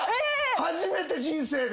初めて人生で！